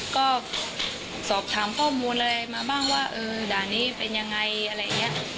ก็สอบถามข้อมูลอะไรมาบ้างว่าเออด่านนี้เป็นยังไงอะไรอย่างนี้